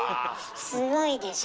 すごいでしょう。